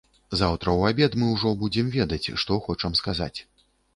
Заўтра ў абед мы ўжо будзем ведаць, што хочам сказаць.